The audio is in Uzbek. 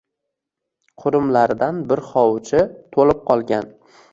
Qurumlaridan bir hovuchi to’lib qolgan